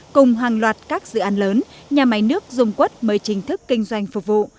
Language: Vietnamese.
cùng hàng loạt các dự án lớn nhà máy nước dung quất mới chính thức kinh doanh phục vụ